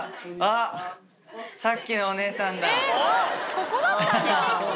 ここだったんだ！